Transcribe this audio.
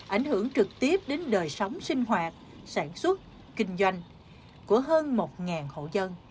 ảnh hưởng trực tiếp đến đời sống sinh hoạt sản xuất kinh doanh của hơn một hộ dân